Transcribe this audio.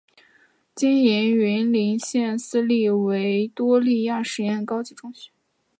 经营云林县私立维多利亚实验高级中学。